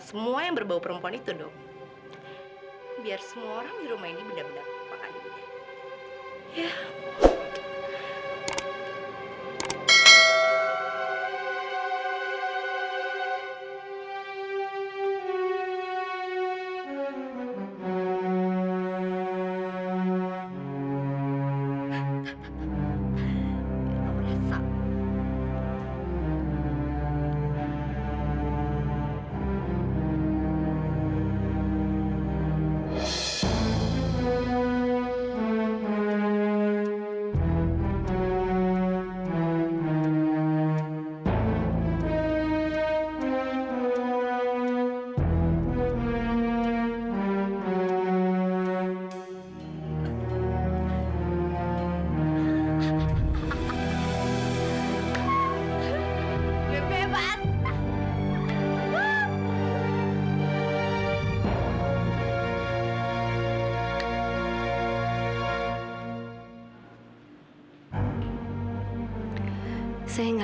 semua yang berbau perempuan itu dong